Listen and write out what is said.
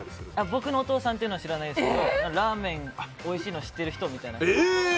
僕のお父さんっていうのは知らないですけどラーメン好きな人は知っているみたいな。